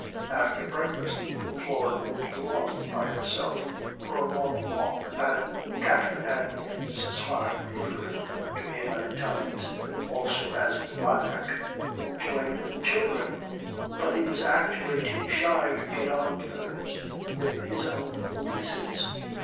After breakfast Flora would go off by herself for a long walk and Captain Anthony (Mrs. Fyne referred to him at times also as Roderick) joined the children. But he was actually too shy to get on terms with his own nieces.